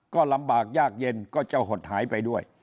ก็ลำบากยากเย็นก็จะหดหายไปด้วย